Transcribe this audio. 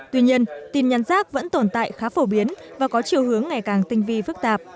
tuy nhiên tin nhắn rác vẫn tồn tại khá phổ biến và có chiều hướng ngày càng tinh vi phức tạp